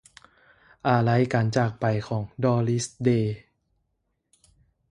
ອາໄລການຈາກໄປຂອງ ດໍຣິສ ເດ